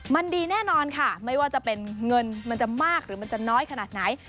มันดีแน่นอนค่ะไม่ว่าจะเป็นเงินมันจะมากหรือมันจะน้อยขนาดไหน